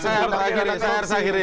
saya harus akhiri